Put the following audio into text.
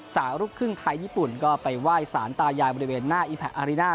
ลูกครึ่งไทยญี่ปุ่นก็ไปไหว้สารตายายบริเวณหน้าอีแพะอาริน่า